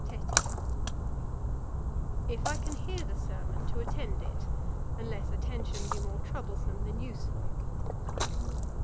Tetty. 'If I can hear the sermon, to attend it, unless attention be more troublesome than useful.